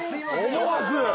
思わず。